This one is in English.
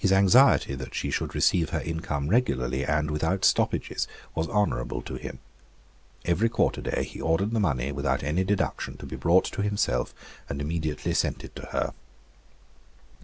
His anxiety that she should receive her income regularly and without stoppages was honourable to him. Every quarterday he ordered the money, without any deduction, to be brought to himself, and immediately sent it to her.